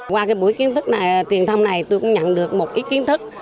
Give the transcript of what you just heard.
qua buổi tuyên thông này tôi cũng nhận được một ít kiến thức